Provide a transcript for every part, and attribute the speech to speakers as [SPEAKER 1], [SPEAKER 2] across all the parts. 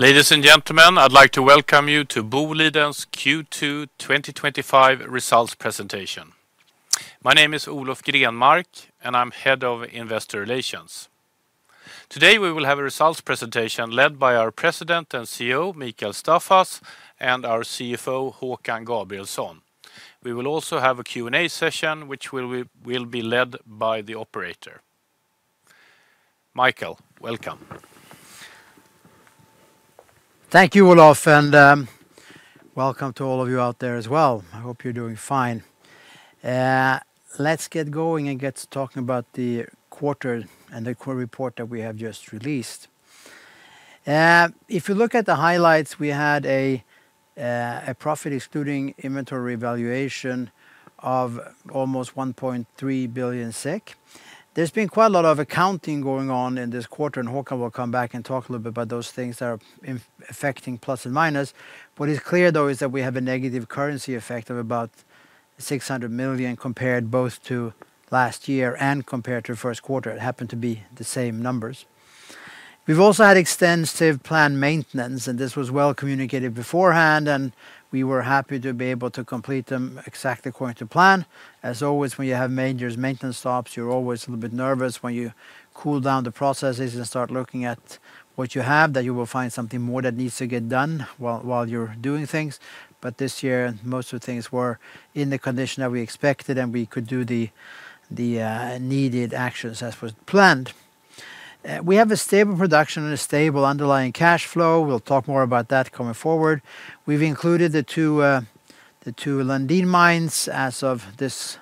[SPEAKER 1] Ladies and gentlemen, I'd like to welcome you to Boliden's Q2 twenty twenty May Presentation. My name is Olof Grijenmark, and I'm Head of Investor Relations. Today, we will have a results presentation led by our President and CEO, Mikael Staffas and our CFO, Hakan Gabriel Son. We will also have a Q and A session, which will be led by the operator. Mikael, welcome.
[SPEAKER 2] Thank you, Olaf, and welcome to all of you out there as well. I hope you're doing fine. Let's get going and get to talking about the quarter and the core report that we have just released. If you look at the highlights, we had a profit excluding inventory valuation of almost 1,300,000,000.0 SEK. There's been quite a lot of accounting going on in this quarter, and Hakan will come back and talk a little bit about those things that are affecting plus and minus. What is clear, though, is that we have a negative currency effect of about 600,000,000 compared both to last year and compared to first quarter. It happened to be the same numbers. We've also had extensive planned maintenance, and this was well communicated beforehand, and we were happy to be able to complete them exactly according to plan. As always, when you have major maintenance stops, you're always a little bit nervous when you cool down the processes and start looking at what you have that you will find something more that needs to get done while you're doing things. But this year, most of the things were in the condition that we expected, and we could do the needed actions as was planned. We have a stable production and a stable underlying cash flow. We'll talk more about that going forward. We've included the two Lundin mines as of this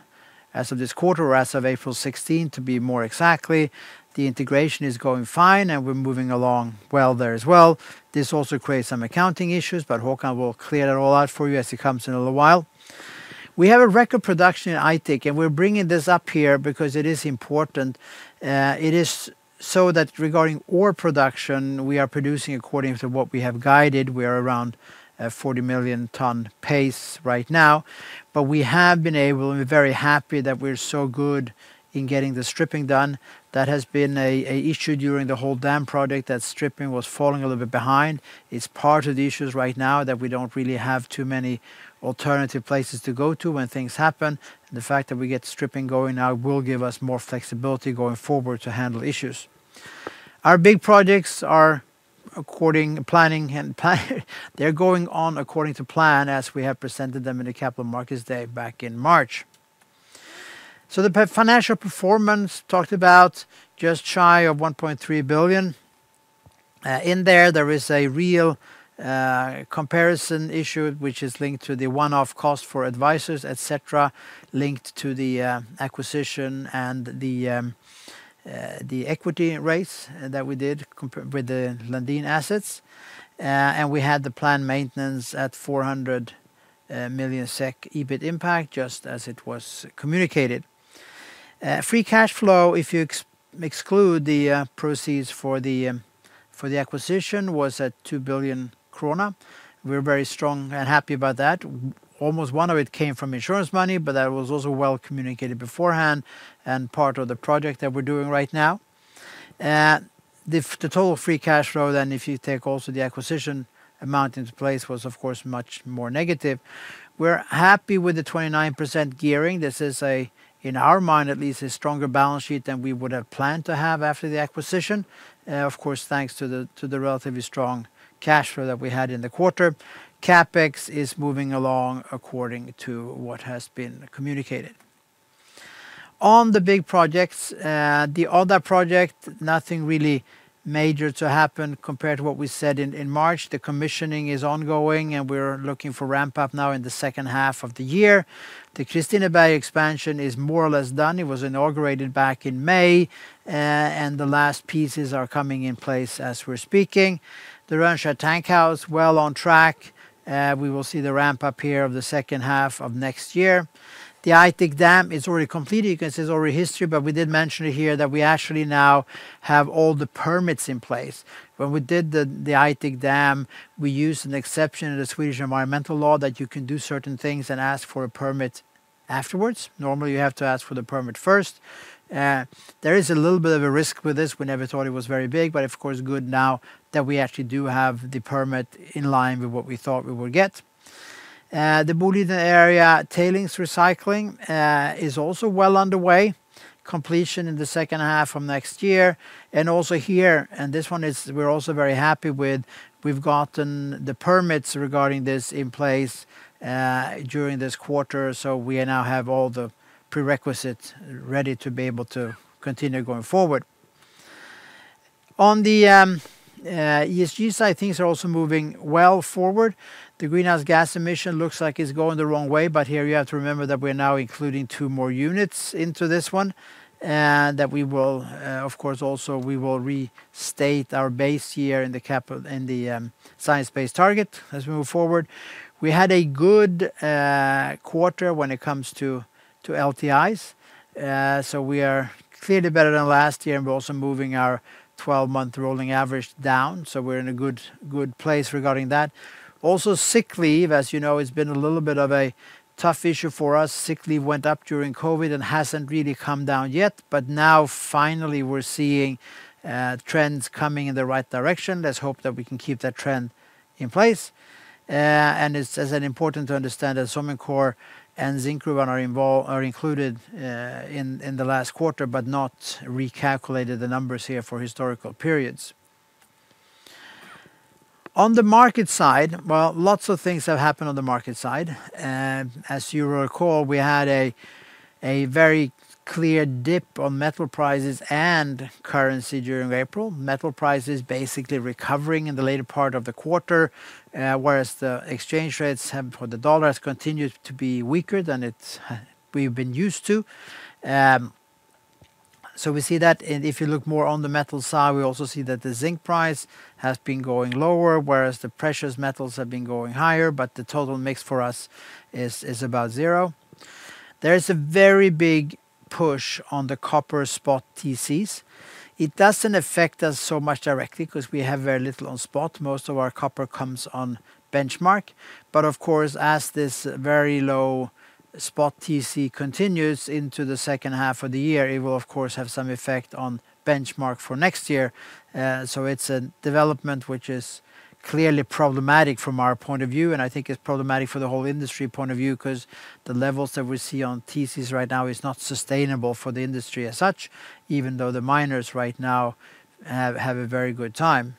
[SPEAKER 2] quarter or as of April 16, to be more exactly. The integration is going fine, and we're moving along well there as well. This also creates some accounting issues, but Hakan will clear it all out for you as he comes in a little while. We have a record production in Aitik, and we're bringing this up here because it is important. It is so that regarding ore production, we are producing according to what we have guided. We are around a 40,000,000 tonne pace right now. But we have been able and we're very happy that we're so good in getting the stripping done. That has been an issue during the whole dam project that stripping was falling a little bit behind. It's part of the issues right now that we don't really have too many alternative places to go to when things happen. The fact that we get stripping going now will give us more flexibility going forward to handle issues. Our big projects are according planning they're going on according to plan as we have presented them in the Capital Markets Day back in March. So the financial performance talked about just shy of 1,300,000,000.0. In there, there is a real comparison issue, which is linked to the one off costs for advisers, etcetera, linked to the acquisition and the equity rates that we did with the Lundin assets. And we had the planned maintenance at 400,000,000 SEK EBIT impact, just as it was communicated. Free cash flow, if you exclude the proceeds for the acquisition, was 2,000,000,000 krona. We're very strong and happy about that. Almost one of it came from insurance money, but that was also well communicated beforehand and part of the project that we're doing right now. The total free cash flow then, if you take also the acquisition amount into place, was, of course, much more negative. We're happy with the 29% gearing. This is a in our mind, at least, a stronger balance sheet than we would have planned to have after the acquisition, of course, thanks to the relatively strong cash flow that we had in the quarter. CapEx is moving along according to what has been communicated. On the big projects, the Odda project, nothing really major to happen compared to what we said in March. The commissioning is ongoing, and we're looking for ramp up now in the second half of the year. The Kristineberg expansion is more or less done. It was inaugurated back in May, and the last pieces are coming in place as we're speaking. The Ronshaw tank house, well on track. We will see the ramp up here of the second half of next year. The Aitik Dam is already completed. You can see it's already history, but we did mention here that we actually now have all the permits in place. When we did the Aitik Dam, we used an exception in the Swedish environmental law that you can do certain things and ask for a permit afterwards. Normally, you have to ask for the permit first. There is a little bit of a risk with this. We never thought it was very big, but of course, now that we actually do have the permit in line with what we thought we would get. The Boliden area tailings recycling is also well underway. Completion in the second half of next year. And also here, and this one is we're also very happy with, we've gotten the permits regarding this in place during this quarter. So we now have all the prerequisites ready to be able to continue going forward. On the ESG side, things are also moving well forward. The greenhouse gas emission looks like it's going the wrong way. But here, you have to remember that we are now including two more units into this one and that we will of course, also we will restate our base here in the science based target as we move forward. We had a good quarter when it comes to LTIs. So we are clearly better than last year, we're also moving our twelve month rolling average down. So we're in a good place regarding that. Also sick leave, as you know, it's been a little bit of a tough issue for us. Sick leave went up during COVID and hasn't really come down yet. But now finally, we're seeing trends coming in the right direction. Let's hope that we can keep that trend in place. And it's important to understand that Somnikor and Zinkgruvan are included in the last quarter, but not recalculated the numbers here for historical periods. On the market side, well, lots of things have happened on the market side. As you recall, we had a very clear dip on metal prices and currency during April. Metal prices basically recovering in the later part of the quarter, whereas the exchange rates for the dollar has continued to be weaker than it's we've been used to. So we see that. And if you look more on the metal side, we also see that the zinc price has been going lower, whereas the precious metals have been going higher, but the total mix for us is about zero. There is a very big push on the copper spot TCs. It doesn't affect us so much directly because we have very little on spot. Most of our copper comes on benchmark. But of course, as this very low spot TC continues into the second half of the year, it will, of course, have some effect on benchmark for next year. So it's a development which is clearly problematic from our point of view, and I think it's problematic for the whole industry point of view because the levels that we see on TCs right now is not sustainable for the industry as such, even though the miners right now have a very good time.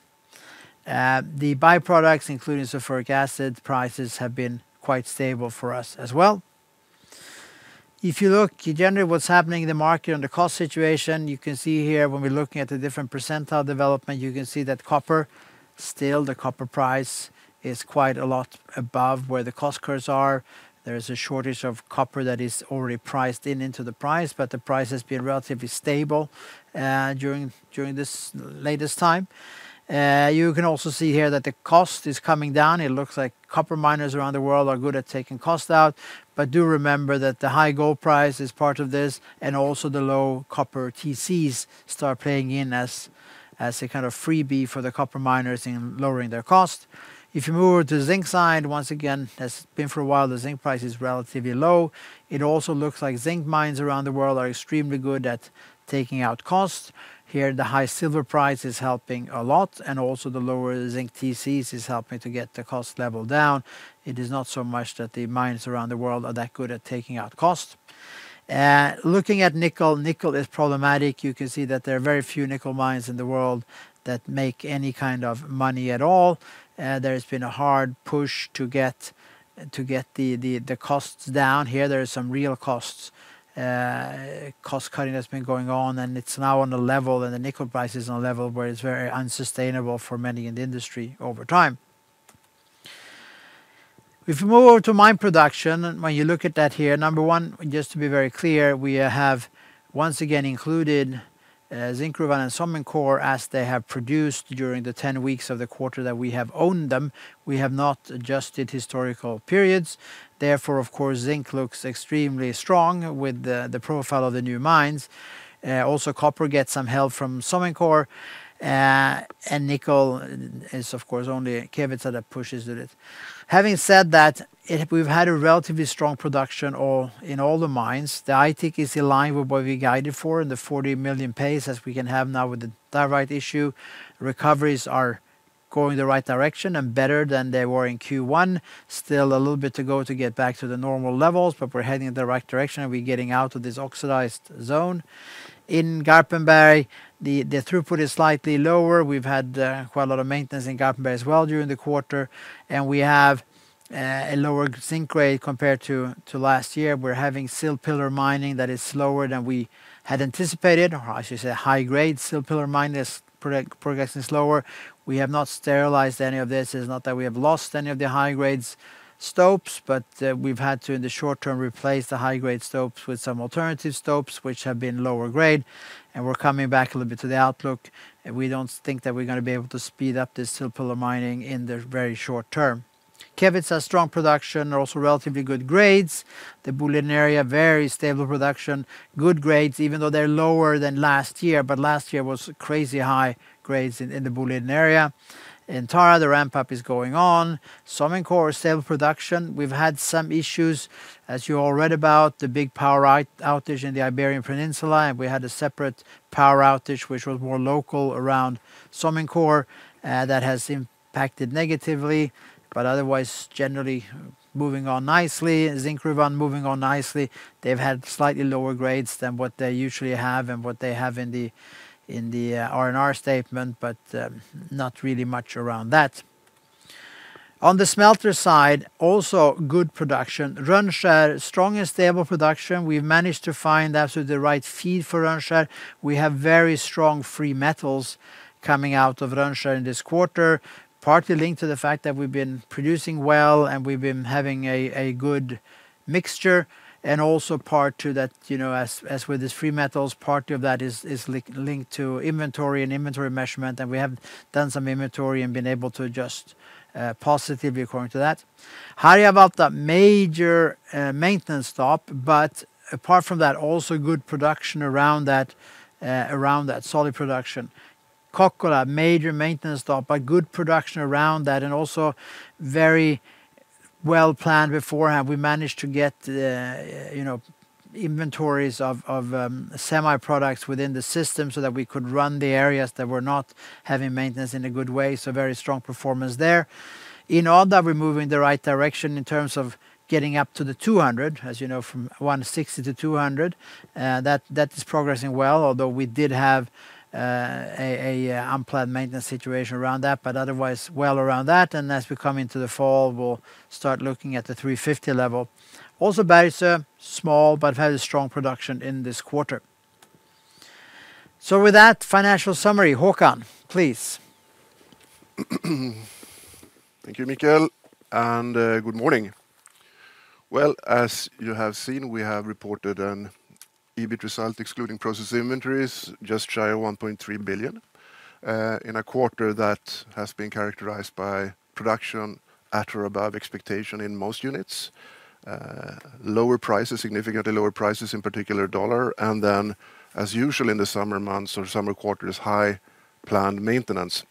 [SPEAKER 2] The byproducts, including sulfuric acid prices have been quite stable for us as well. If you look generally what's happening in the market on the cost situation, you can see here when we're looking at the different percentile development, you can see that copper, still the copper price is quite a lot above where the cost curves are. There is a shortage of copper that is already priced in into the price, but the price has been relatively stable during this latest time. You can also see here that the cost is coming down. It looks like copper miners around the world are good at taking cost out. But do remember that the high gold price is part of this and also the low copper TCs start playing in as a kind of freebie for the copper miners in lowering their cost. If you move over to the zinc side, once again, it has been for a while, the zinc price is relatively low. It also looks like zinc mines around the world are extremely good at taking out costs. Here, the high silver price is helping a lot and also the lower zinc TCs is helping to get the cost level down. It is not so much that the mines around the world are that good at taking out costs. Looking at nickel. Nickel is problematic. You can see that there are very few nickel mines in the world that make any kind of money at all. There has been a hard push to get the costs down. Here, there are some real costs. Cost cutting that's been going on, and it's now on a level and the nickel price is on a level where it's very unsustainable for many in the industry over time. If we move over to mine production, when you look at that here, number one, just to be very clear, we have once again included zinc, Ruevan and Somnenkor as they have produced during the ten weeks of the quarter that we have owned them. We have not adjusted historical periods. Therefore, of course, zinc looks extremely strong with the profile of the new mines. Also, gets some help from Somentor. And nickel is, of course, only Kevitsa that pushes it. Having said that, we've had a relatively strong production in all the mines. The Aitik is in line with what we guided for in the 40,000,000 pace as we can have now with the drybite issue. Recoveries are going in the right direction and better than they were in Q1. Still a little bit to go to get back to the normal levels, but we're heading in the right direction and we're getting out of this oxidized zone. In Garpenberg, the throughput is slightly lower. We've had quite a lot of maintenance in Garpenberg as well during the quarter. And we have a lower zinc grade compared to last year. We're having sill pillar mining that is slower than we had anticipated, or I should say, grade sill pillar mine progressing slower. We have not sterilized any of this. It's not that we have lost any of the high grade stopes, but we've had to, in the short term, replace the high grade stopes with some alternative stopes, which have been lower grade. And we're coming back a little bit to the outlook. We don't think that we're going to be able to speed up this Silpilla mining in the very short term. Kevitsa, strong production, also relatively good grades. The Boliden area, very stable production, good grades even though they're lower than last year, but last year was crazy high grades in the Boliden area. In Tara, the ramp up is going on. Somentkor sale production. We've had some issues, as you all read about, the big power outage in the Iberian Peninsula, and we had a separate power outage, which was more local around Sominkor that has impacted negatively, but otherwise, moving on nicely. Zinkgruvan moving on nicely. They've had slightly lower grades than what they usually have and what they have in the R and R statement, but not really much around that. On the smelter side, also good production. Runscher, strong and stable production. We've managed to find actually the right feed for Runscher. We have very strong free metals coming out of Ronnskar in this quarter, partly linked to the fact that we've been producing well and we've been having a good mixture and also part to that as with these free metals, part of that is linked to inventory and inventory measurement, and we have done some inventory and been able to adjust positively according to that. Harjavalta, major maintenance stop. But apart from that, also good production around that solid production. Kokkola, major maintenance stop, but good production around that and also very well planned beforehand. We managed to get inventories of semi products within the system so that we could run the areas that were not having maintenance in a good way. So very strong performance there. In Odda, we're moving in the right direction in terms of getting up to the 200,000,000 as you know, from 160,000,000 to 200,000,000 That is progressing well, although we did have an unplanned maintenance situation around that. But otherwise, well around that. And as we come into the fall, we'll start looking at the SEK $350,000,000 level. Also, Baeser, small but very strong production in this quarter. So with that, financial summary. Hakan, please.
[SPEAKER 3] Thank you, Mikael, and good morning. Well, as you have seen, we have reported an EBIT result, excluding process inventories, just shy of 1,300,000,000.0 in a quarter that has been characterized by production at or above expectation in most units, lower prices significantly lower prices, in particular, dollar and then as usual in the summer months or summer quarters, high planned maintenance.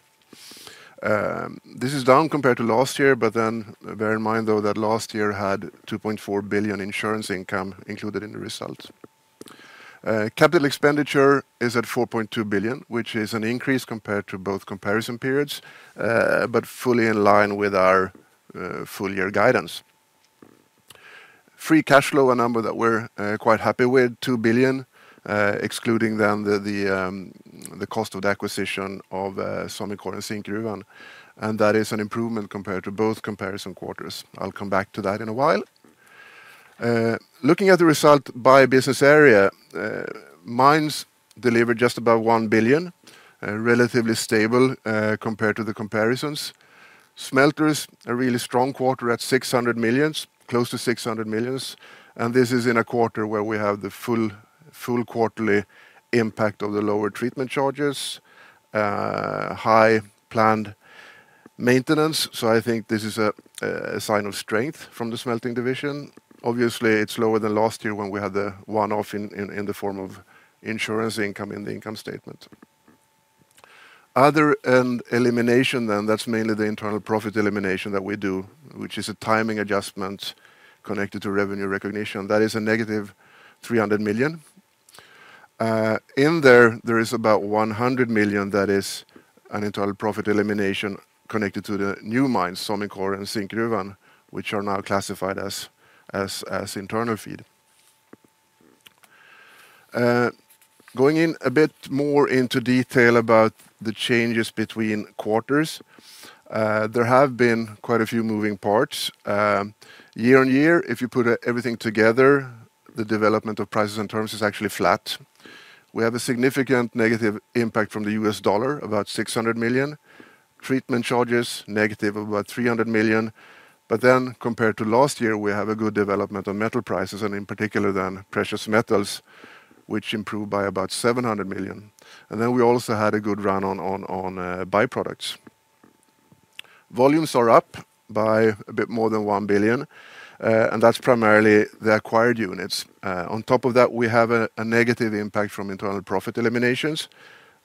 [SPEAKER 3] This is down compared to last year, but then bear in mind, though, that last year had 2,400,000,000.0 insurance income included in the results. Capital expenditure is at 4,200,000,000.0, which is an increase compared to both comparison periods, but fully in line with our full year guidance. Free cash flow, a number that we're quite happy with, 2,000,000,000, excluding then the cost of the acquisition of Samikor and Sinkyravan, and that is an improvement compared to both comparison quarters. I'll come back to that in a while. Looking at the result by business area. Mines delivered just above 1,000,000,000, relatively stable compared to the comparisons. Smelters, a really strong quarter at 600,000,000 close to 600,000,000. And this is in a quarter where we have the full quarterly impact of the lower treatment charges, high planned maintenance. So I think this is a sign of strength from the smelting division. Obviously, it's lower than last year when we had the one off in the form of insurance income in the income statement. Other and elimination then, that's mainly the internal profit elimination that we do, which is a timing adjustment connected to revenue recognition. That is a negative 300,000,000. In there, there is about 100,000,000 that is an internal profit elimination connected to the new mines, Somikor and Sink Gruvan, which are now classified as internal feed. Going in a bit more into detail about the changes between quarters. There have been quite a few moving parts. Year on year, if you put everything together, the development of prices and terms is actually flat. We have a significant negative impact from the U. S. Dollar, about 600,000,000 treatment charges, of about 300,000,000. But then compared to last year, we have a good development on metal prices and in particular then precious metals, which improved by about 700,000,000. And then we also had a good run on byproducts. Volumes are up by a bit more than 1,000,000,000, and that's primarily the acquired units. On top of that, we have a negative impact from internal profit eliminations.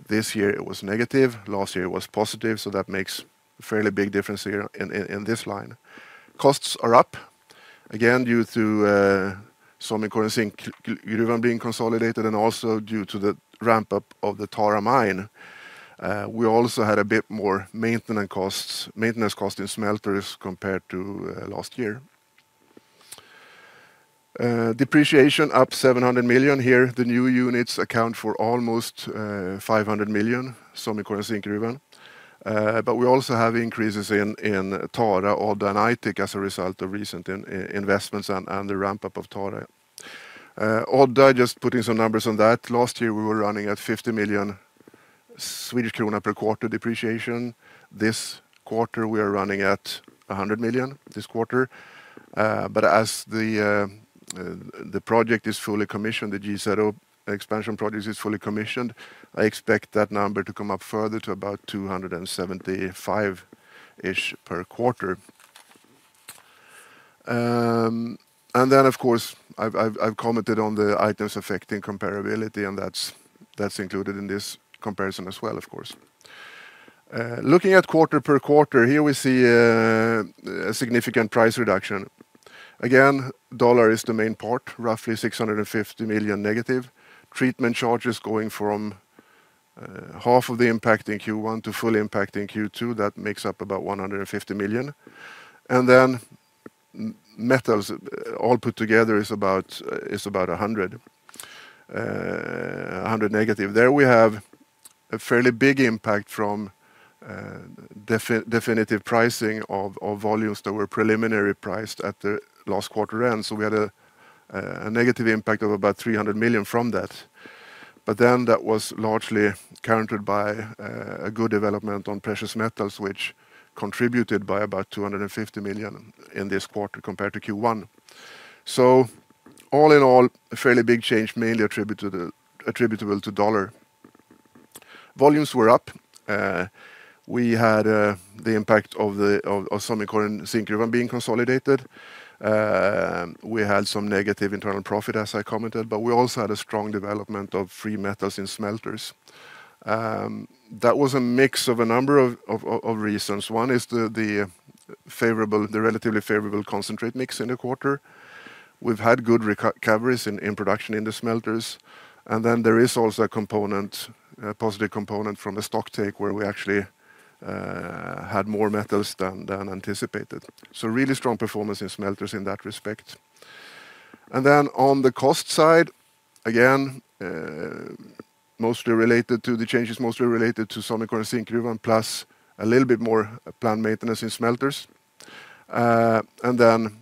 [SPEAKER 3] This year, it was negative. Last year, it was positive. So that makes a fairly big difference here in this line. Costs are up, again, due to some SEK1 being consolidated and also due to the ramp up of the Tara mine. We also had a bit more maintenance costs costs in smelters compared to last year. Depreciation, up 700,000,000 here. The new units account for almost 500,000,000, Somikor and Sinkrivan. But we also have increases in Tara, Odd and Aitik as a result of recent investments and the ramp up of Tara. Odd, just put in some numbers on that. Last year, we were running at 50,000,000 Swedish krona per quarter depreciation. This quarter, we are running at 100,000,000 this quarter. But as the project is fully commissioned, the GZO expansion project is fully commissioned, I expect that number to come up further to about SEK $2.75 ish per quarter. And then, of course, I've commented on the items affecting comparability, and that's included in this comparison as well, of course. Looking at quarter per quarter, here we see a significant price reduction. Again, dollar is the main part, roughly SEK $650,000,000 negative. Treatment charges going from half of the impact in Q1 to full impact in Q2, that makes up about 150,000,000. And then metals, all put together, is about 100,000,000 negative. There, we have a fairly big impact from definitive pricing of volumes that were preliminary priced at the last quarter end. So we had a negative impact of about 300,000,000 from that. But then that was largely countered by a good development on precious metals, which contributed by about SEK $250,000,000 in this quarter compared to Q1. So all in all, a fairly big change, mainly attributable to dollar. Volumes were up. We had the impact of of some SEK $1.61 being consolidated. We had some negative internal profit, as I commented, but we also had a strong development of free metals in smelters. That was a mix of a number of reasons. One is the favorable the relatively favorable concentrate mix in the quarter. We've had good recoveries in production in the smelters. And then there is also a component positive component from the stock take where we actually had more metals than anticipated. So really strong performance in Smelters in that respect. And then on the cost side, again, mostly related to the changes mostly related to Samikor and Sinklravan plus a little bit more planned maintenance in Smelters. And then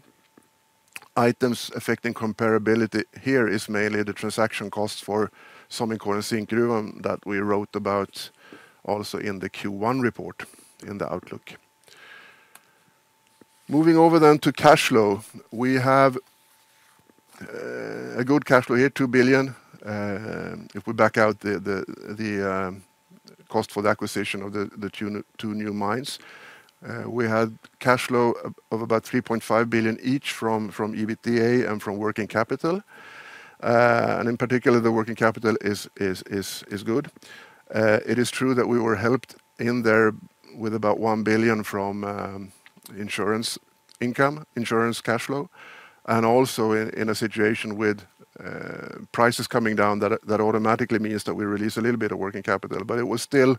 [SPEAKER 3] items affecting comparability here is mainly the transaction costs for Samikor and Sinkgruvan that we wrote about also in the Q1 report in the outlook. Moving over then to cash flow. We have a good cash flow here, 2,000,000,000. If we back out the cost for the acquisition of the two new mines. We had cash flow of about 3,500,000,000.0 each from EBITDA and from working capital. And in particular, the working capital is good. It is true that we were helped in there with about 1,000,000,000 from insurance income insurance cash flow. And also in a situation with prices coming down, that automatically means that we release a little bit of working capital. But it was still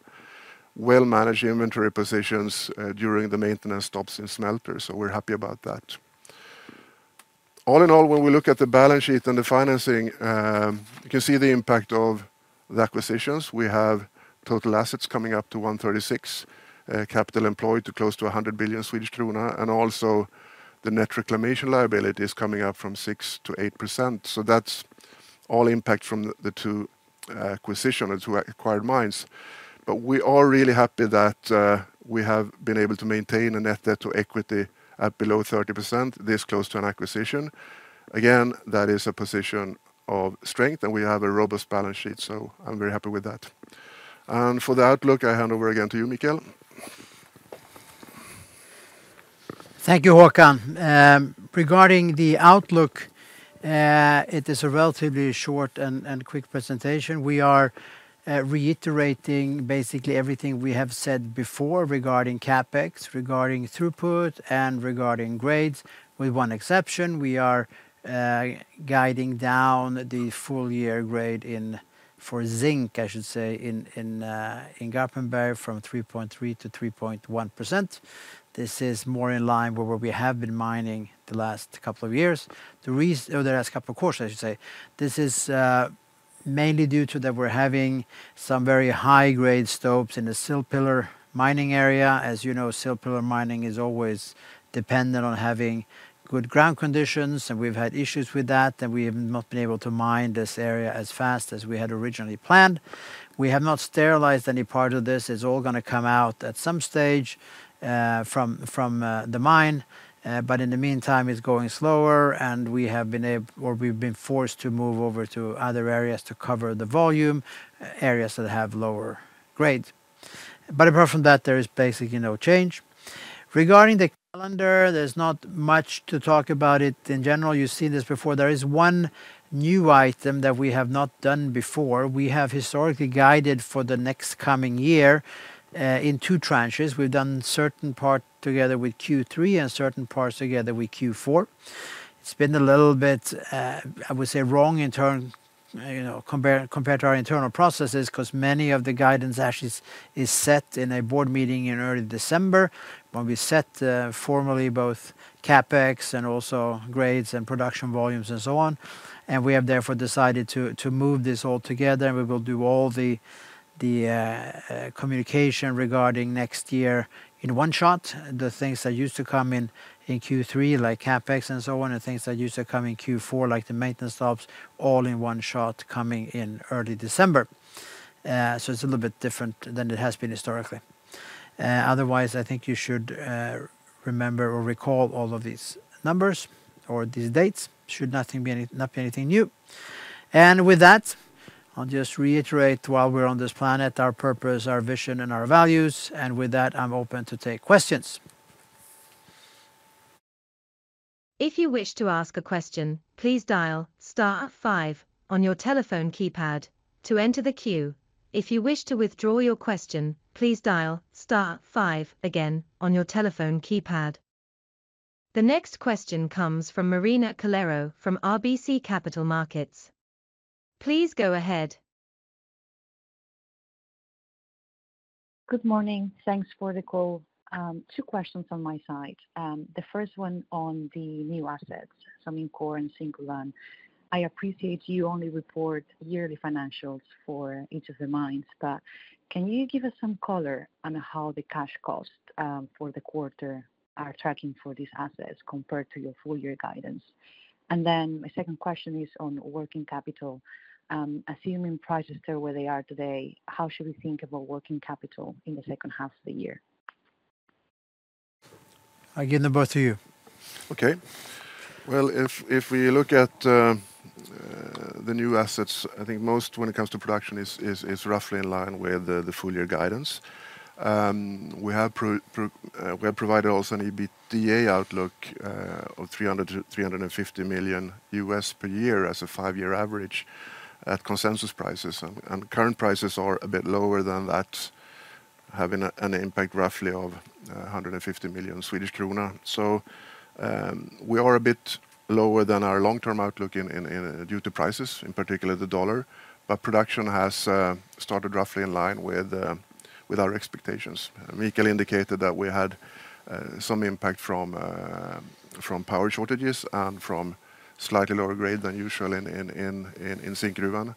[SPEAKER 3] well managed inventory positions during the maintenance stops in Smelters. So we're happy about that. All in all, when we look at the balance sheet and the financing, you can see the impact of the acquisitions. We have total assets coming up to 136,000,000, capital employed to close to 100,000,000,000. And also, the net reclamation liability is coming up from 6% to 8%. So that's all impact from the two acquisitions or two acquired mines. But we are really happy that we have been able to maintain a net debt to equity at below 30, this close to an acquisition. Again, that is a position of strength, and we have a robust balance sheet. So I'm very happy with that. And for the outlook, I hand over again to you, Mikael.
[SPEAKER 2] Thank you, Hakan. Regarding the outlook, it is a relatively short and quick presentation. We are reiterating basically everything we have said before regarding CapEx, regarding throughput and regarding grades. With one exception, we are guiding down the full year grade in for zinc, I should say, in Garpenberg from 3.3% to 3.1%. This is more in line with where we have been mining the last couple of years. The reason or the last couple of quarters, I should say. This is mainly due to that we're having some very high grade stopes in the Silpillar mining area. As you know, Silpillar mining is always dependent on having good ground conditions, and we've had issues with that. And we have not been able to mine this area as fast as we had originally planned. We have not sterilized any part of this. It's all going to come out at some stage from the mine. But in the meantime, it's going slower, and we have been or we've been forced to move over to other areas to cover the volume, areas that have lower grade. But apart from that, there is basically no change. Regarding the calendar, there's not much to talk about it in general. You've seen this before. There is one new item that we have not done before. We have historically guided for the next coming year in two tranches. We've done certain parts together with Q3 and certain parts together with Q4. It's been a little bit, I would say, wrong in turn compared to our internal processes because many of the guidance actually is set in a Board meeting in early December, when we set formally both CapEx and also grades and production volumes and so on. And we have, therefore, decided to move this all together, and we will do all the communication regarding next year in one shot. The things that used to come Q3, like CapEx and so on, the things that used to come in Q4, like the maintenance stops, all in one shot coming in early December. So it's a little bit different than it has been historically. Otherwise, I think you should remember or recall all of these numbers or these dates. Should nothing be anything new. And with that, I'll just reiterate while we're on this planet, our purpose, our vision and our values. And with that, I'm open to take questions.
[SPEAKER 4] The next question comes from Marina Calero from RBC Capital Markets. Please go ahead.
[SPEAKER 5] Morning. Thanks for the call. Two questions from my side. The first one on the new assets, Samimcor and Singuland. I appreciate you only report yearly financials for each of the mines, but can you give us some color on how the cash cost for the quarter are tracking for these assets compared to your full year guidance? And then my second question is on working capital. Assuming prices stay where they are today, how should we think about working capital in the second half of the year?
[SPEAKER 2] I give them both to you.
[SPEAKER 3] Okay. Well, if we look at the new assets, I think most when it comes to production is roughly in line with the full year guidance. We have provided also an EBITDA outlook of 300,000,000 to USD $350,000,000 per year as a five year average at consensus prices. And current prices are a bit lower than that, having an impact roughly of 150,000,000. So we are a bit lower than our long term outlook due to prices, in particular, the dollar. But production has started roughly in line with our expectations. Mikael indicated that we had some impact from power shortages and from slightly lower grade than usual in Sinkgruvan,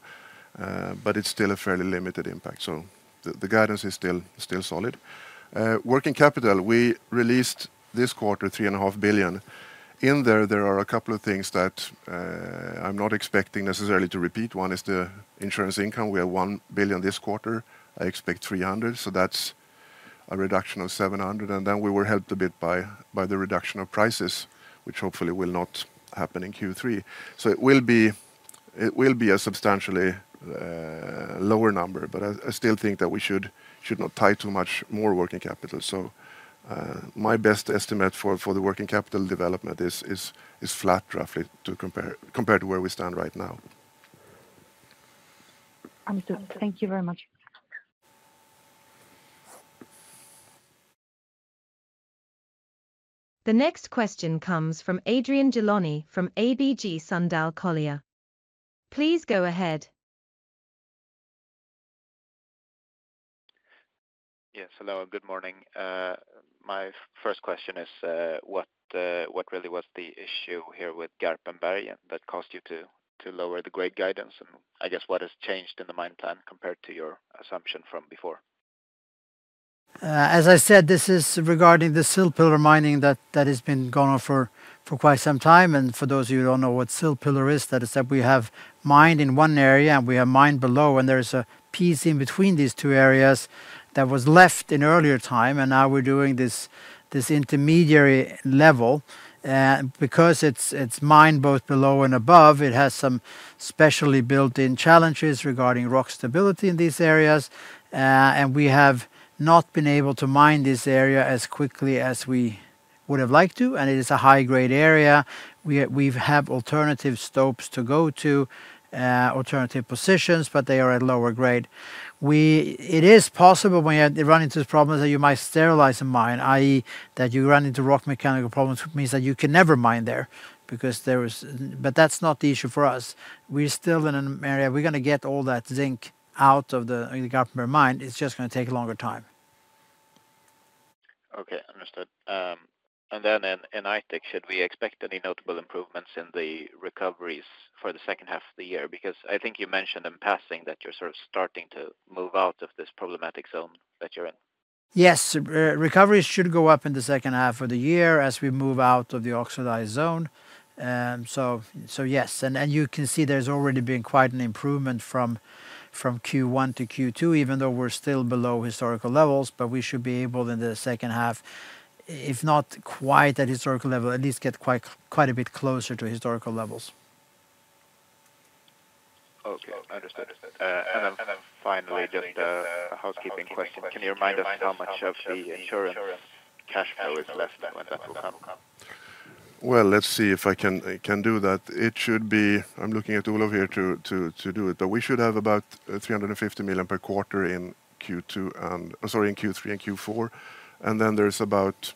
[SPEAKER 3] but it's still a fairly limited impact. So the guidance is still solid. Working capital, we released this quarter 3,500,000,000.0. In there, there are a couple of things that I'm not expecting necessarily to repeat. One is the insurance income. We have 1,000,000,000 this quarter. I expect 300,000,000. So that's a reduction of 700,000,000. And then we were helped a bit by the reduction of prices, which hopefully will not happen in Q3. So it will be a substantially lower number, but I still think that we not tie too much more working capital. So my best estimate for the working capital development is flat roughly compared to where we stand right now.
[SPEAKER 5] Understood. Thank you very much.
[SPEAKER 4] The next question comes from Adrian Gelani from ABG Sundal Collier. Please go ahead.
[SPEAKER 6] Yes. Hello, and good morning. My first question is what really was the issue here with Garpenberg that caused you to lower the grade guidance? And I guess, what has changed in the mine plan compared to your assumption from before?
[SPEAKER 2] As I said, this is regarding the Silpillar mining that has been going on for quite some time. And for those of you who don't know what Silpillar is, that is that we have mined in one area and we have mined below. And there is a piece in between these two areas that was left in earlier time, and now we're doing this intermediary level. Because it's mined both below and above, it has some specially built in challenges regarding rock stability in these areas. And we have not been able to mine this area as quickly as we would have liked to, and it is a high grade area. We have alternative stopes to go to, alternative positions, but they are at lower grade. We it is possible when you run into these problems that you might sterilize a mine, I. E, that you run into rock mechanical problems, which means that you can never mine there because there is but that's not the issue for us. We're still in an area we're going get all that zinc out of the in the Gaffner mine. It's just going to take a longer time.
[SPEAKER 6] Okay. Understood. And then in Aitik, should we expect any notable improvements in the recoveries for the second half of the year? Because I think you mentioned in passing that you're sort of starting to move out of this problematic zone that you're in.
[SPEAKER 2] Yes. Recoveries should go up in the second half of the year as we move out of the oxidized zone. So yes. And you can see there's already been quite an improvement from Q1 to Q2 even though we're still below historical levels, but we should be able in the second half, if not quite at historical level, at least get quite a bit closer to historical levels.
[SPEAKER 6] Okay. Understood. And then finally, just a housekeeping question. Can you remind us how much of the insurance cash flow is left when that will come?
[SPEAKER 3] Well, let's see if I can do that. It should be I'm looking at Olof here to do it. But we should have about $350,000,000 per quarter in Q2 sorry, in Q3 and Q4. And then there's about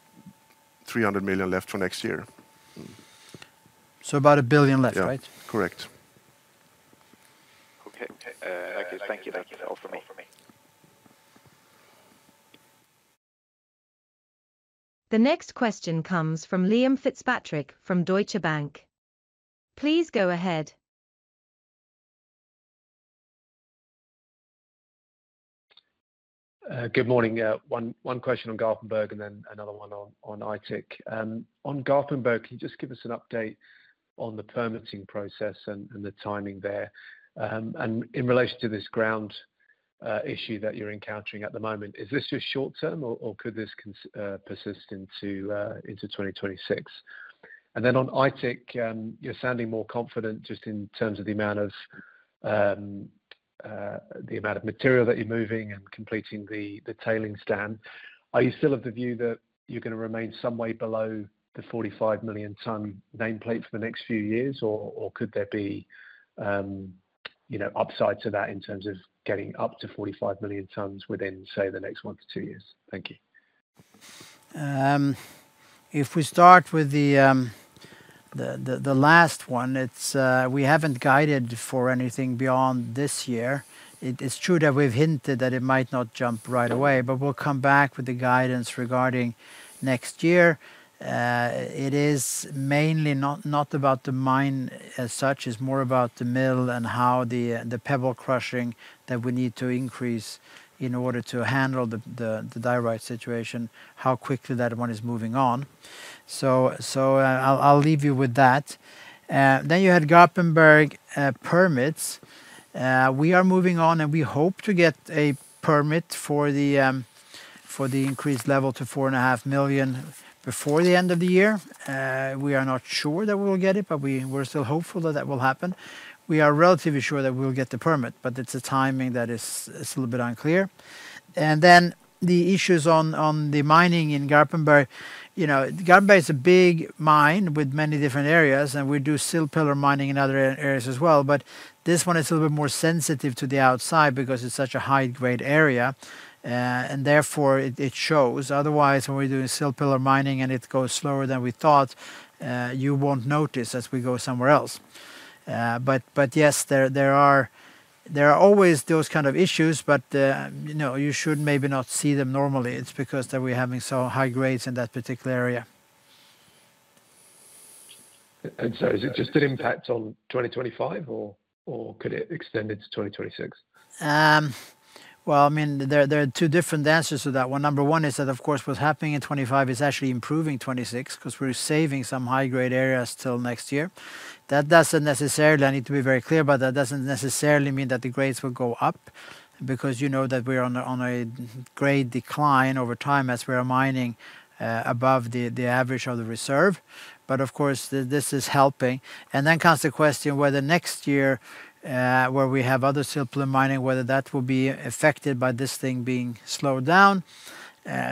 [SPEAKER 3] 300,000,000 left for next year.
[SPEAKER 2] So about 1,000,000,000 left, Yes, correct.
[SPEAKER 4] The next question comes from Liam Fitzpatrick from Deutsche Bank. Please go ahead.
[SPEAKER 7] Good morning. One question on Garpenberg and then another one on ITIC. On Garpenberg, can you just give us an update on the permitting process and the timing there? And in relation to this ground issue that you're encountering at the moment, is this just short term, or or could this persist into into 2026? And then on ITEC, you're sounding more confident just in terms of the amount of amount of material that you're moving and completing the the tailings dam, are you still of the view that you're gonna remain some way below the 45,000,000 ton nameplate for the next few years? Or or could there be, upside to that in terms of getting up to 45,000,000 tonnes within, say, the next one to two years?
[SPEAKER 2] If we start with the last one, it's we haven't guided for anything beyond this year. It is true that we've hinted that it might not jump right away, but we'll come back with the guidance regarding next year. It is mainly not about the mine as such. It's more about the mill and how the pebble crushing that we need to increase in order to handle the direct situation, how quickly that one is moving on. So I'll leave you with that. Then you had Gapenburg permits. We are moving on, and we hope to get a permit for the increased level to 4,500,000.0 before the end of the year. We are not sure that we will get it, but we're still hopeful that, that will happen. We are relatively sure that we will get the permit, but it's a timing that is a little bit unclear. And then the issues on the mining in Garpenberg. Garpenberg is a big mine with many different areas, and we do sill pillar mining in other areas as well. But this one is a little bit more sensitive to the outside because it's such a high grade area, and therefore, Otherwise, when we're doing Silpillar mining and it goes slower than we thought, you won't notice as we go somewhere else. But yes, there are always those kind of issues, but you should maybe not see them normally. It's because that we're having so high grades in that particular area.
[SPEAKER 7] And so is it just an impact on 2025? Or could it extend into 2026?
[SPEAKER 2] Well, mean, there are two different answers to that. Number one is that, of course, what's happening in 2025 is actually improving 2026 because we're saving some high grade areas until next year. That doesn't necessarily I need to be very clear, but that doesn't necessarily mean that the grades will go up because you know that we are on a grade decline over time as we are mining above the average of the reserve. But of course, this is helping. And then comes the question whether next year, where we have other simpler mining, whether that will be affected by this thing being slowed down.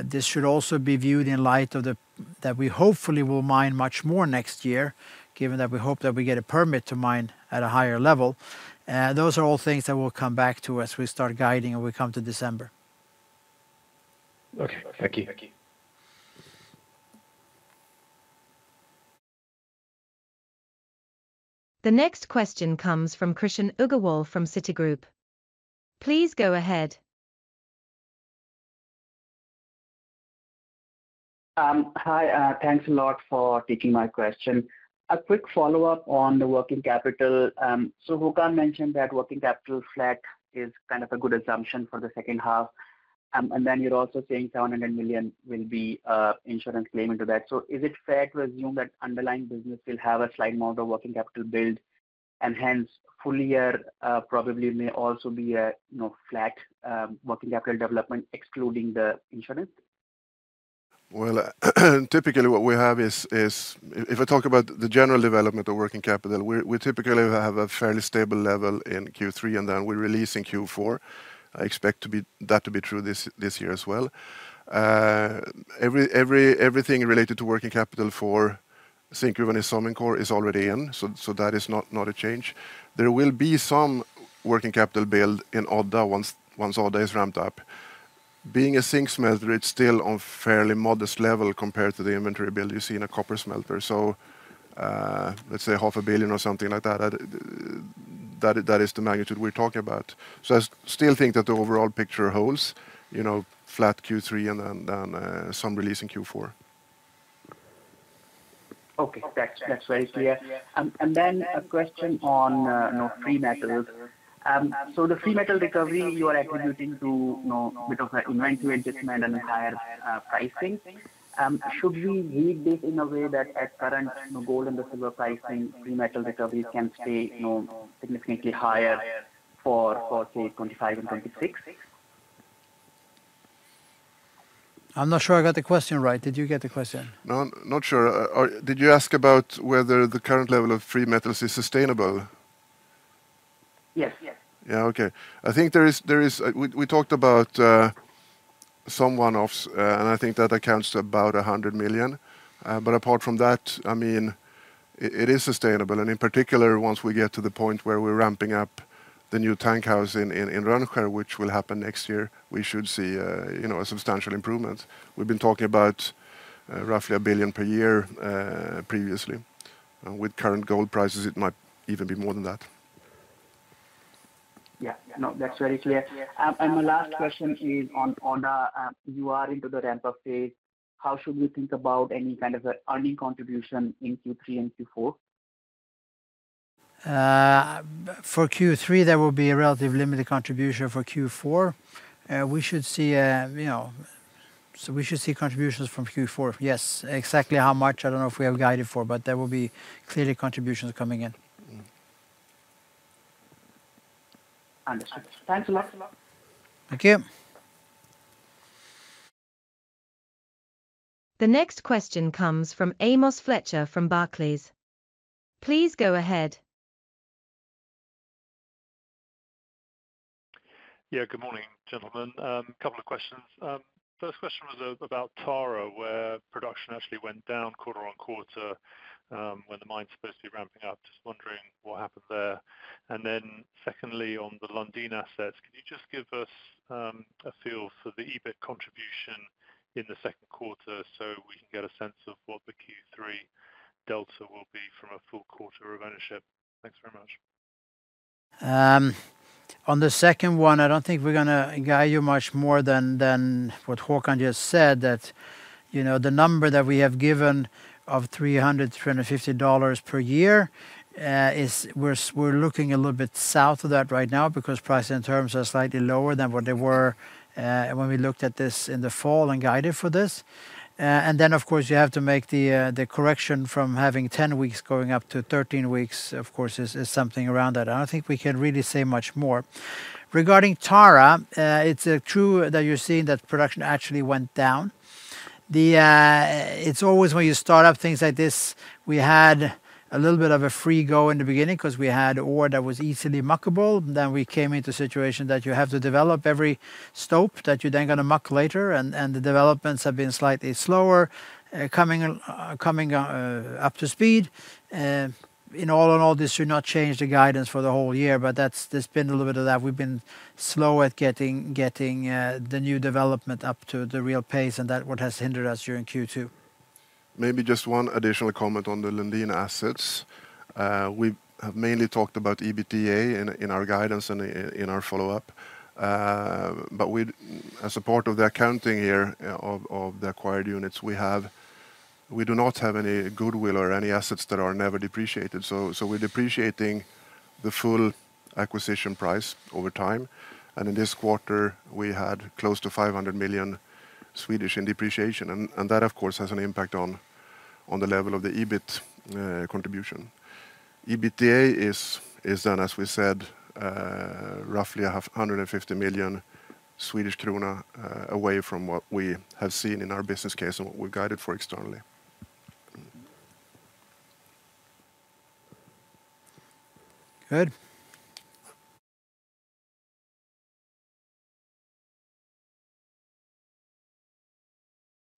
[SPEAKER 2] This should also be viewed in light of the that we hopefully will mine much more next year, given that we hope that we get a permit to mine at a higher level. Those are all things that we'll come back to as we start guiding and we come to December.
[SPEAKER 4] The next question comes from Krishan Agarwal from Citigroup. Please go ahead.
[SPEAKER 8] Hi. Thanks a lot for taking my question. A quick follow-up on the working capital. So Houkan mentioned that working capital flat is kind of a good assumption for the second half. And then you're also saying $700,000,000 will be insurance claim into that. So is it fair to assume that underlying business will have a slight more of the working capital build? And hence, full year probably may also be a flat working capital development excluding the insurance?
[SPEAKER 3] Well, typically, what we have is if I talk about the general development of working capital, we typically have a fairly stable level in Q3 and then we release in Q4. I expect to be that to be true this year as well. Everything related to working capital for zinc driven in Salmonkor is already in, so that is not a change. There will be some working capital build in Odda once Odda is ramped up. Being a zinc smelter, it's still on fairly modest level compared to the inventory build you see in a copper smelter. So let's say SEK $05,000,000,000 or something like that, that is the magnitude we're talking about. So I still think that the overall picture holds flat Q3 and then some release in Q4.
[SPEAKER 8] That's very clear. Then a question on free metals. So the free metal recovery you are attributing to bit of like inventory adjustment and higher pricing. Should we read this in a way that at current gold and silver pricing, free metal recoveries can stay significantly higher for 2025 and 2026?
[SPEAKER 2] I'm not sure I got the question right. Did you get the question?
[SPEAKER 3] No, not sure. Did you ask about whether the current level of free metals is sustainable?
[SPEAKER 8] Yes, yes.
[SPEAKER 3] Yes, okay. I think there is we talked about some one offs, and I think that accounts to about 100,000,000. But apart from that, I mean, it is sustainable. And in particular, once we get to the point where we're ramping up the new tank house in Ranhokar, which will happen next year, we should see a substantial improvement. We've been talking about roughly 1,000,000,000 per year previously. And with current gold prices, it might even be more than that.
[SPEAKER 8] Yes. No, that's very clear. And my last question is on you are into the ramp up phase. How should we think about any kind of earning contribution in Q3 and Q4?
[SPEAKER 2] For Q3, there will be a relatively limited contribution. For Q4, we should see we should see contributions from Q4, yes. Exactly how much, I don't know if we have guided for, but there will be clearly contributions coming in.
[SPEAKER 4] The next question comes from Amos Fletcher from Barclays. Please go ahead.
[SPEAKER 9] Yeah. Good morning, gentlemen. Couple of questions. First question was about Tara where production actually went down quarter on quarter when the mine is supposed to be ramping up. Just wondering what happened there. And then secondly, on the Lundin assets, can you just give us a feel for the EBIT contribution in the second quarter so we can get a sense of what the Q3 delta will be from a full quarter of ownership?
[SPEAKER 2] On the second one, I don't think we're going to guide you much more than what Hakan just said that the number that we have given of $300 $350 per year is we're looking a little bit south of that right now because price and terms are slightly lower than what they were when we looked at this in the fall and guided for this. And then, of course, you have to make the correction from having ten weeks going up to thirteen weeks, of course, is something around that. I don't think we can really say much more. Regarding Tara, it's true that you're seeing that production actually went down. The it's always when you start up things like this, we had a little bit of a free go in the beginning because we had ore that was easily muckable. Then we came into a situation that you have to develop every stope that you're then going to muck later, and the developments have been slightly slower, coming up to speed. And all in all, this should not change the guidance for the whole year, but that's there's been a little bit of that. We've been slow at getting the new development up to the real pace, and that's what has hindered us here in Q2.
[SPEAKER 3] Maybe just one additional comment on the Lundin assets. We have mainly talked about EBITDA in our guidance and in our follow-up. But we as a part of the accounting here of the acquired units, have we do not have any goodwill or any assets that are never depreciated. So we're depreciating the full acquisition price over time. And in this quarter, we had close to 500,000,000 in depreciation. And that, of course, has an impact on the level of the EBIT contribution. EBITDA is then, as we said, roughly 150,000,000 Swedish krona away from what we have seen in our business case and what we've guided for externally.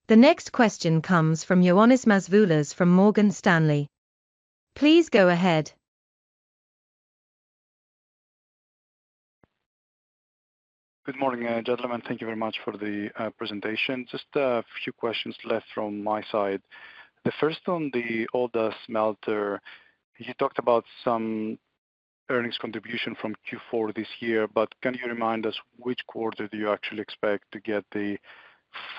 [SPEAKER 4] The next question comes from Ioannis Mazvoulas from Morgan Stanley. Please go ahead.
[SPEAKER 10] Good morning gentlemen. Thank you very much for the presentation. Just a few questions left from my side. The first on the Odda smelter, you talked about some earnings contribution from Q4 this year, but can you remind us which quarter do you actually expect to get the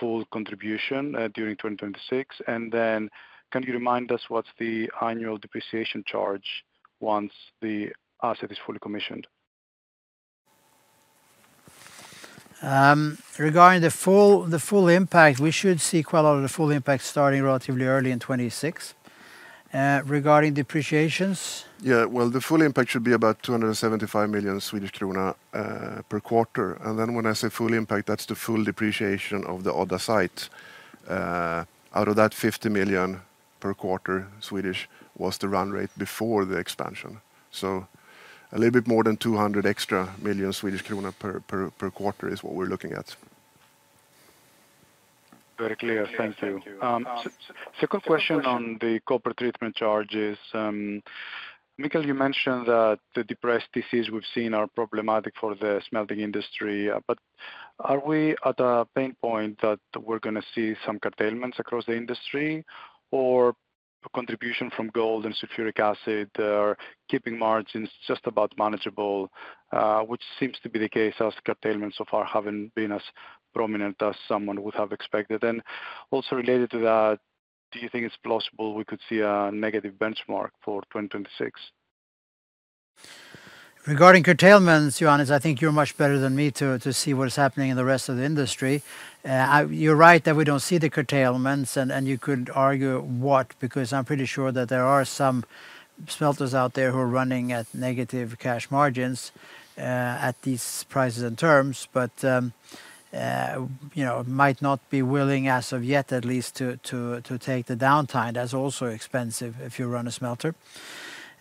[SPEAKER 10] full contribution during 2026? And then can you remind us what's the annual depreciation charge once the asset is fully commissioned?
[SPEAKER 2] Regarding the full impact, we should see quite a lot of the full impact starting relatively early in 'twenty six. Regarding depreciations?
[SPEAKER 3] Yes. Well, the full impact should be about SEK $275,000,000 per quarter. And then when I say full impact, that's the full depreciation of the Oda site. Out of that 50,000,000 per quarter was the run rate before the expansion. So a little bit more than 200 extra million per quarter is what we're looking at.
[SPEAKER 10] Very clear. Thank you. Second question on the corporate treatment charges. Mikael, you mentioned that the depressed disease we've seen are problematic for the smelting industry. But are we at a pain point that we're going to see some curtailments across the industry? Or contribution from gold and sulfuric acid keeping margins just about manageable, which seems to be the case as curtailments so far haven't been as prominent as someone would have expected? And also related to that, do you think it's possible we could see a negative benchmark for 2026?
[SPEAKER 2] Regarding curtailments, Johannes, I think you're much better than me to see what's happening in the rest of the industry. You're right that we don't see the curtailments, and you could argue what because I'm pretty sure that there are some smelters out there who are running at negative cash margins at these prices and terms, but might not be willing as of yet at least to take the downtime. That's also expensive if you run a smelter.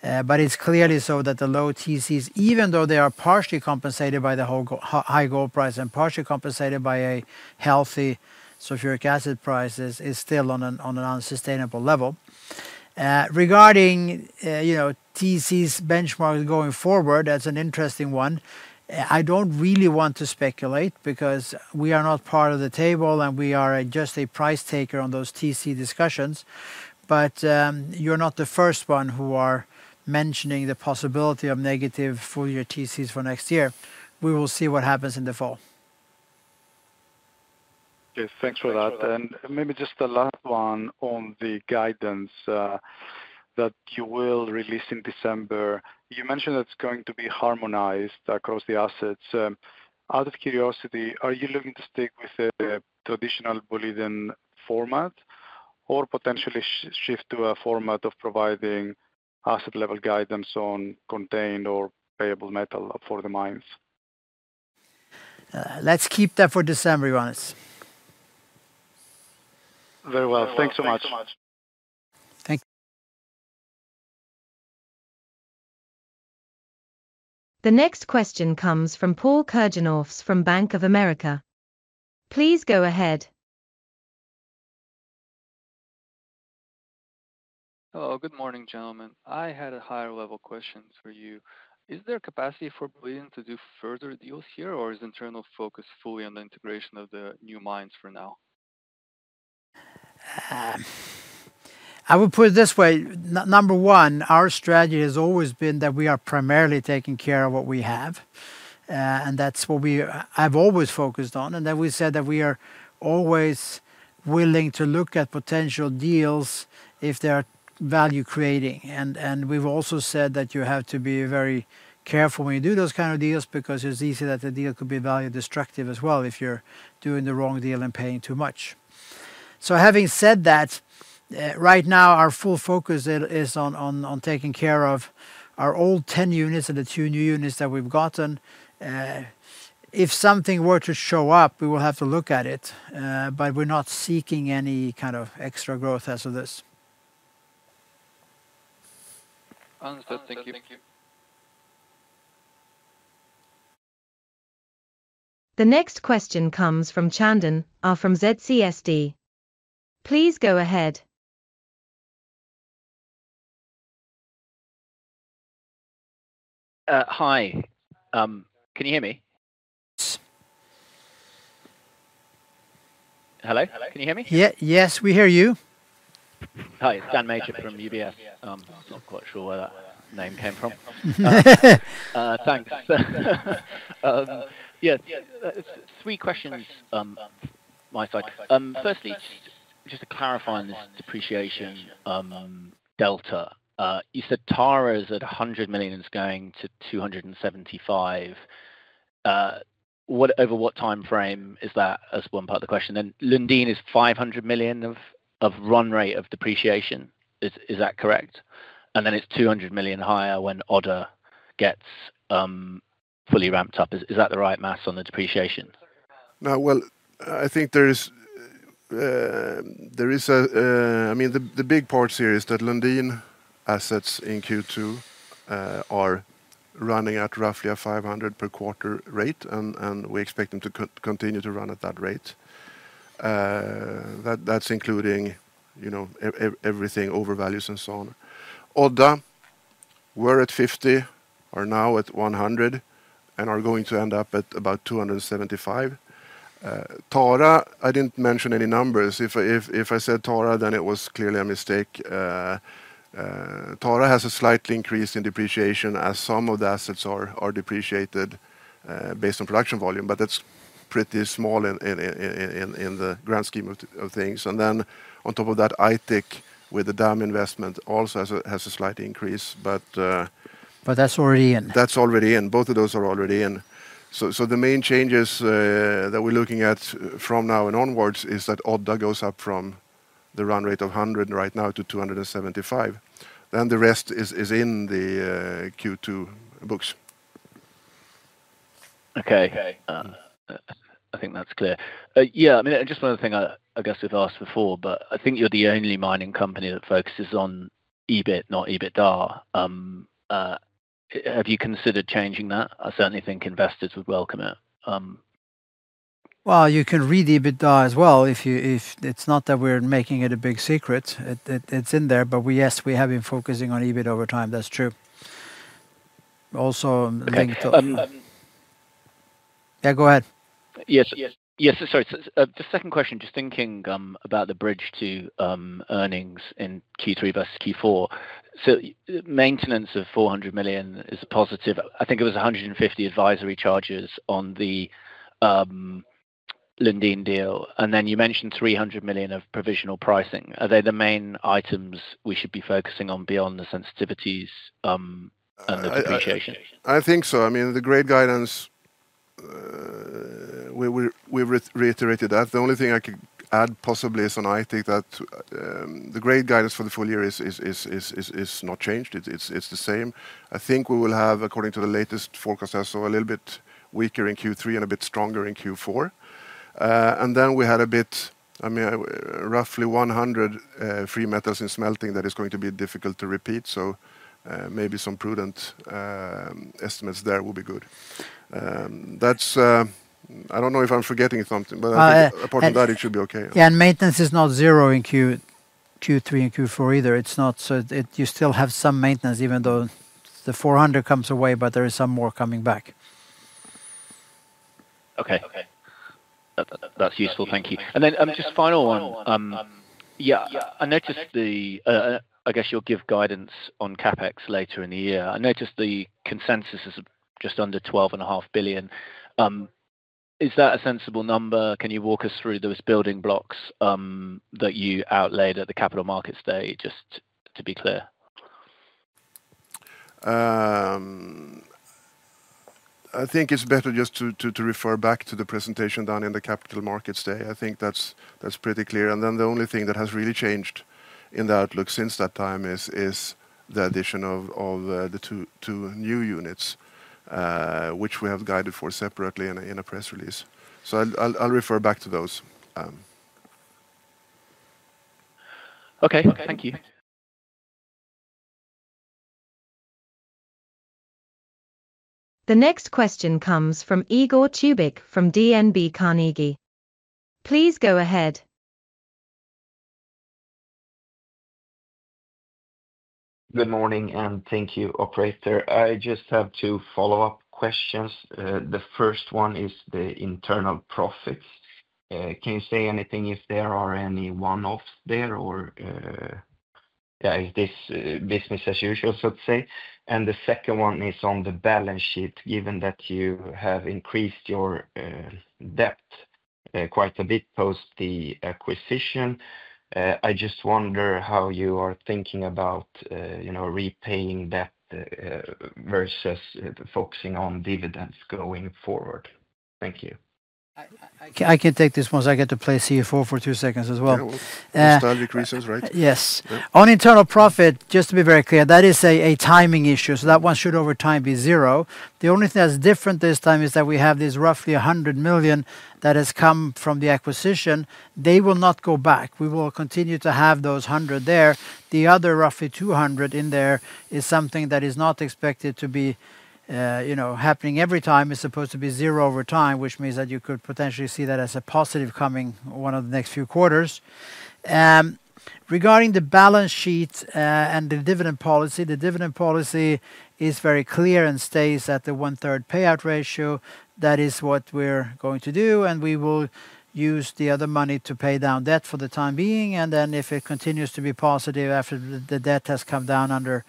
[SPEAKER 2] But it's clearly so that the low TCs, even though they are partially compensated by the high gold price and partially compensated by a healthy sulfuric acid prices, is still on an unsustainable level. Regarding TC's benchmark going forward, that's an interesting one. I don't really want to speculate because we are not part of the table, and we are just a price taker on those TC discussions. But you're not the first one who are mentioning the possibility of negative full year TCs for next year. We will see what happens in the fall.
[SPEAKER 10] For that. And maybe just a last one on the guidance that you will release in December. You mentioned that's going to be harmonized across the assets. Out of curiosity, are you looking to stick with the traditional bulletin format or potentially shift to a format of providing asset level guidance on contained or payable metal for the mines?
[SPEAKER 2] Let's keep that for December, Johannes.
[SPEAKER 10] Well. Thanks so much.
[SPEAKER 4] The next question comes from Paul Kirginhoefs from Bank of America. Please go ahead.
[SPEAKER 11] Hello. Good morning, gentlemen. I had a higher level question for you. Is there capacity for Berlin to do further deals here? Or is internal focus fully on the integration of the new mines for now?
[SPEAKER 2] I will put it this way. Number one, our strategy has always been that we are primarily taking care of what we have, and that's what we have always focused on. And then we said that we are always willing to look at potential deals if they are value creating. And we've also said that you have to be very careful when you do those kind of deals because it's easy that the deal could be value destructive as well if you're doing the wrong deal and paying too much. So having said that, right now, our full focus is on taking care of our old 10 units and the two new units that we've gotten. If something were to show up, we will have to look at it. But we're not seeking any kind of extra growth as of this.
[SPEAKER 4] Next question comes from Chandan R from ZCSD. Please go ahead.
[SPEAKER 12] Hi. Can you hear me? Hello? Can you hear me?
[SPEAKER 2] Yeah. Yes. We hear you.
[SPEAKER 12] Hi. Dan Major from UBS. Not quite sure where that name came from. Yes, three questions. Firstly, just to clarify on this depreciation delta, you said Tara is at $100,000,000 and is going to $2.75 over what time frame is that as one part of the question. And Lundin is $500,000,000 of run rate of depreciation. Is that correct? And then it's $200,000,000 higher when order gets fully ramped up. Is that the right math on the depreciation?
[SPEAKER 3] No. Well, I think there is I mean, the big part here is that Lundin assets in Q2 are running at roughly a 500 per quarter rate, and we expect them to continue to run at that rate. That's including everything overvalues and so on. Odda, we're at 50, are now at 100 and are going to end up at about $2.75. Tara, I didn't mention any numbers. If I said Tara, then it was clearly a mistake. Tara has a slight increase in depreciation as some of the assets are depreciated based on production volume, but that's pretty small in the grand scheme of things. And then on top of that, Aitik with the dam investment also has a slight increase.
[SPEAKER 2] But that's already in.
[SPEAKER 3] That's already in. Both of those are already in. So the main changes that we're looking at from now and onwards is that Odda goes up from the run rate of 100 right now to SEK $2.75. Then the rest is in the Q2 books.
[SPEAKER 12] Okay. I think that's clear. Yes. I mean just one other thing, I guess, we've asked before, but I think you're the only mining company that focuses on EBIT, not EBITDA. Have you considered changing that? I certainly think investors would welcome it.
[SPEAKER 2] Well, you can read EBITDA as well if you if it's not that we're making it a big secret. It's in there. But yes, we have been focusing on EBIT over time. That's true. Also, yes, go ahead.
[SPEAKER 12] Yes. Sorry. Second question, just thinking about the bridge to earnings in Q3 versus Q4. So maintenance of $400,000,000 is a positive. I think it was 150,000,000 advisory charges on the Lindeen deal. And then you mentioned $300,000,000 of provisional pricing. Are they the main items we should be focusing on beyond the sensitivities and the I
[SPEAKER 3] think so. I mean, the grade guidance, we reiterated that. The only thing I could add possibly is on Aitik that the grade guidance for the full year is not changed. It's the same. I think we will have, according to the latest forecast, also a little bit weaker in Q3 and a bit stronger in Q4. And then we had a bit I mean, roughly 100 free metals in smelting that is going to be difficult to repeat. So maybe some prudent estimates there will be good. That's I don't know if I'm forgetting something, but apart from that, it should be okay.
[SPEAKER 2] Yes. And maintenance is not zero in Q3 and Q4 either. It's not so you still have some maintenance even though the 400,000,000 comes away, but there is some more coming back.
[SPEAKER 12] Okay. That's useful. Thank you. And then just final one. Yes. I noticed the I guess, you'll give guidance on CapEx later in the year. I noticed the consensus is just under 12,500,000,000.0. Is that a sensible number? Can you walk us through those building blocks that you outlaid at the Capital Markets Day just to be clear?
[SPEAKER 3] I think it's better just to refer back to the presentation done in the Capital Markets Day. I think that's pretty clear. And then the only thing that has really changed in the outlook since that time is the addition of the two new units, which we have guided for separately in a press release. So I'll refer back to those.
[SPEAKER 4] The next question comes from Igor Tjubic from DNB Carnegie. Please go ahead.
[SPEAKER 13] Good morning, and thank you, operator. I just have two follow-up questions. The first one is the internal profits. Can you say anything if there are any one offs there? Or is this business as usual, so to say? And the second one is on the balance sheet. Given that you have increased your debt quite a bit post the acquisition, I just wonder how you are thinking about repaying debt versus focusing on dividends going forward? Thank you.
[SPEAKER 2] I can take this once I get to play CFO for two seconds as well. The start decreases, right? Yes. On internal profit, just to be very clear, that is a timing issue. So that one should, over time, be zero. The only thing that's different this time is that we have this roughly 100,000,000 that has come from the acquisition. They will not go back. We will continue to have those 100,000,000 there. The other roughly 200,000,000 in there is something that is not expected to be happening every time. It's supposed to be zero over time, which means that you could potentially see that as a positive coming one of the next few quarters. Regarding the balance sheet and the dividend policy, the dividend policy is very clear and stays at the onethree payout ratio. That is what we're going to do, and we will use the other money to pay down debt for the time being. And then if it continues to be positive after the debt has come down under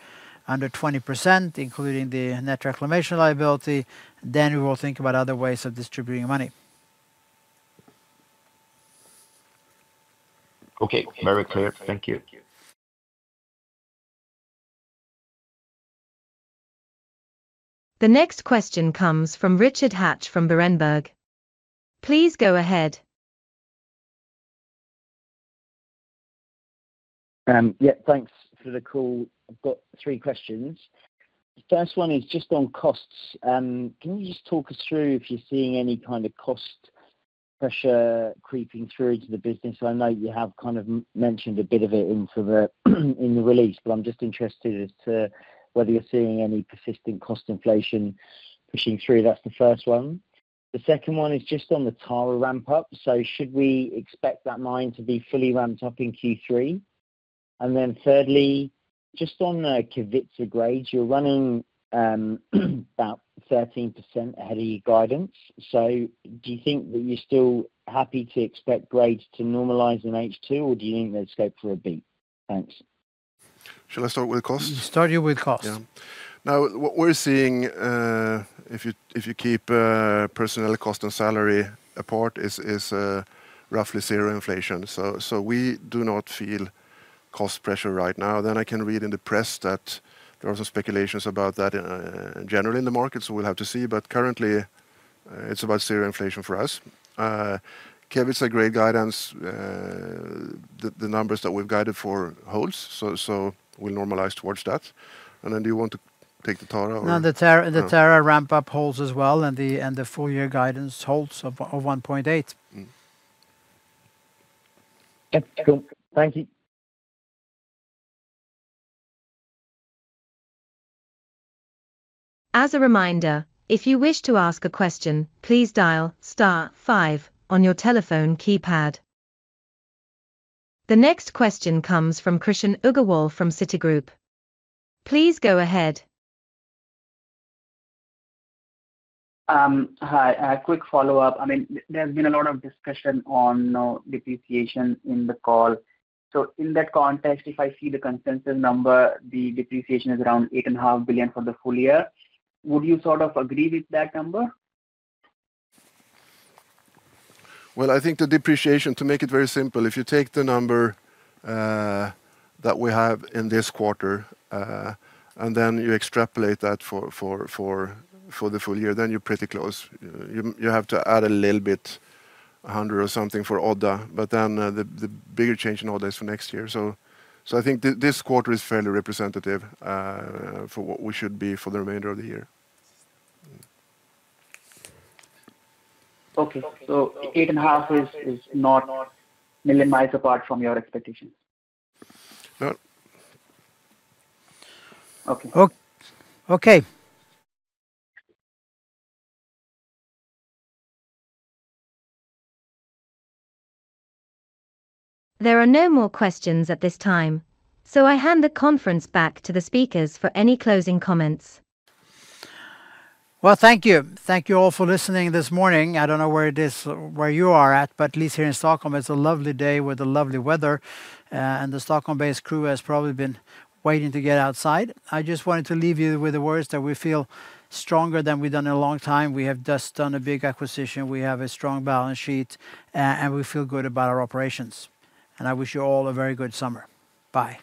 [SPEAKER 2] 20 percent, including the net reclamation liability, then we will think about other ways of distributing money.
[SPEAKER 6] Okay. Very clear. Thank you.
[SPEAKER 4] The next question comes from Richard Hatch from Berenberg. Please go ahead.
[SPEAKER 14] Yes, thanks for the call. I've got three questions. The first one is just on costs. Can you just talk us through if you're seeing any kind of cost pressure creeping through to the business? I know you have kind of mentioned a bit of it in the release, but I'm just interested as to whether you're seeing any persistent cost inflation pushing through. That's the first one. The second one is just on the Tara ramp up. So should we expect that mine to be fully ramped up in Q3? And then thirdly, just on Kevitsa grades, you're running about 13% ahead of your guidance. So do you think that you're still happy to expect grades to normalize in H2? Or do you need to go for a beat?
[SPEAKER 3] Shall I start with cost?
[SPEAKER 2] Starting with cost.
[SPEAKER 3] Yes. Now what we're seeing, if you keep personnel cost and salary apart, roughly zero inflation. So we do not feel cost pressure right now. Then I can read in the press that there are some speculations about that in general in the market, so we'll have to see. But currently, it's about zero inflation for us. Kevitsa grade guidance, the numbers that we've guided for holds, so we normalize towards that. And then do you want to take the Tara or
[SPEAKER 2] No, the Tara ramp up holds as well, and the full year guidance holds of 1.8.
[SPEAKER 4] The next question comes from Krishan Agarwal from Citigroup. Please go ahead.
[SPEAKER 8] Hi. A quick follow-up. I mean, there's been a lot of discussion on depreciation in the call. So in that context, if I see the consensus number, the depreciation is around $8,500,000,000 for the full year. Would you sort of agree with that number?
[SPEAKER 3] Well, I think the depreciation to make it very simple, if you take the number that we have in this quarter and then you extrapolate that for the full year, then you're pretty close. You have to add a little bit 100,000,000 or something for Odda, but then the bigger change in Odda is for next year. So I think this quarter is fairly representative for what we should be for the remainder of the year.
[SPEAKER 8] Okay. So 8,500,000 is not million miles apart from your expectations?
[SPEAKER 3] Okay.
[SPEAKER 2] Okay.
[SPEAKER 4] There are no more questions at this time. So I hand the conference back to the speakers for any closing comments.
[SPEAKER 2] Well, thank you. Thank you all for listening this morning. I don't know where it is where you are at, but at least here in Stockholm, it's a lovely day with the lovely weather. And the Stockholm based crew has probably been waiting to get outside. I just wanted to leave you with the words that we feel stronger than we've done in a long time. We have just done a big acquisition. We have a strong balance sheet, And we feel good about our operations. And I wish you all a very good summer. Bye.